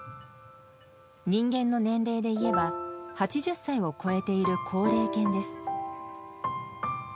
人間の年齢でいえば８０歳を超えている高齢犬です。